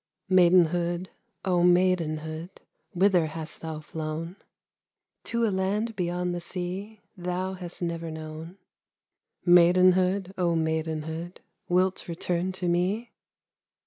Maidenhood, O maidenhood, Whither hast thou flown? To a land beyond the sea Thou hast never known. Maidenhood, O maidenhood, Wilt return to me?